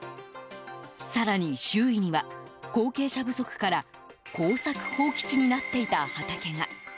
更に周囲には、後継者不足から耕作放棄地になっていた畑が。